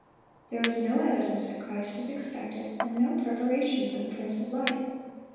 There is no evidence that Christ is expected, and no preparation for the Prince of life.